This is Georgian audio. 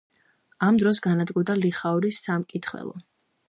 ამ დროს განადგურდა ლიხაურის სამკითხველო.